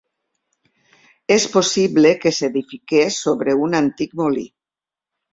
És possible que s'edifiqués sobre un antic molí.